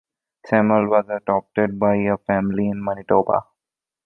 Samuel was adopted by a family in Manitoba.